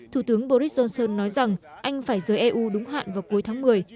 thủ tướng boris johnson nói rằng anh phải rời eu đúng hạn vào cuối tháng một mươi